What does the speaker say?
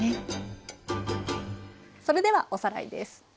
それではおさらいです。